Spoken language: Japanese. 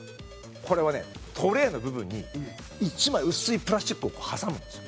これはね、トレーの部分に１枚、薄いプラスチックを挟むんですよ。